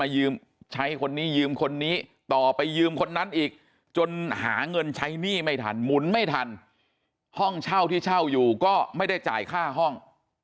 ยืมใช้คนนี้ยืมคนนี้ต่อไปยืมคนนั้นอีกจนหาเงินใช้หนี้ไม่ทันหมุนไม่ทันห้องเช่าที่เช่าอยู่ก็ไม่ได้จ่ายค่าห้อง